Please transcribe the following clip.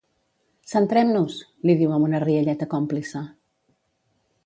Centrem-nos! —li diu amb una rialleta còmplice—.